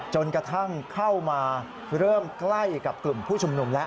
จนกระทั่งเข้ามาเริ่มใกล้กับกลุ่มผู้ชุมนุมแล้ว